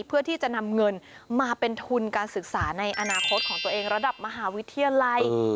เพื่อที่จะนำเงินมาเป็นทุนการศึกษาในอนาคตของตัวเองระดับมหาวิทยาลัย